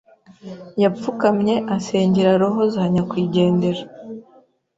Yapfukamye asengera roho za nyakwigendera.